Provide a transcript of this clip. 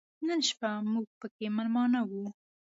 نن شپه موږ پکې مېلمانه و.